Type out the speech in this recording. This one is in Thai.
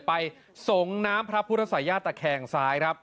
ไปส่งน้ำพระพุทธศายาตะแคงซ้ายครับ